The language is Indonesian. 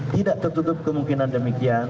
tidak tertutup kemungkinan demikian